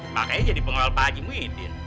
makanya jadi pengelola pak haji muhyiddin